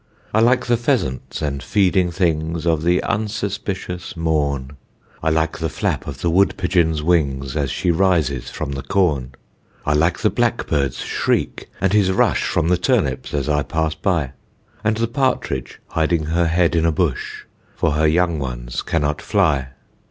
I like the pheasants and feeding things Of the unsuspicious morn; I like the flap of the wood pigeon's wings As she rises from the corn. I like the blackbird's shriek, and his rush From the turnips as I pass by, And the partridge hiding her head in a bush, For her young ones cannot fly.